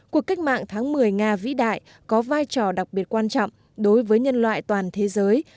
cuộc cách mạng tháng một mươi nga vĩ đại có vai trò đặc biệt quan trọng đối với nhân loại toàn thế giới